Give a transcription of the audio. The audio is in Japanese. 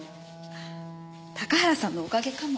高原さんのおかげかも。